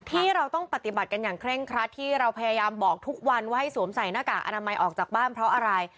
ที่เราต้องปฏิบัติกันอย่างเคร่งครัดที่เราพยายามบอกทุกวันว่าให้สวมใส่หน้ากากอนามัยออกจากบ้านเพราะอะไร